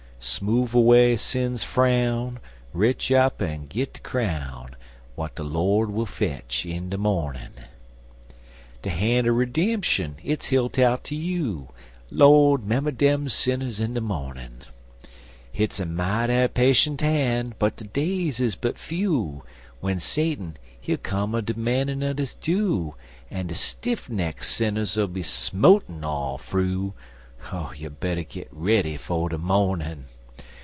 Smoove away sin's frown Retch up en git de crown, W'at de Lord will fetch in de mornin'! De han' er ridem'shun, hit's hilt out ter you Lord! 'member dem sinners in de mornin'! Hit's a mighty pashent han', but de days is but few, W'en Satun, he'll come a demandin' un his due, En de stiff neck sinners 'll be smotin' all fru Oh, you better git ready for de mornin'!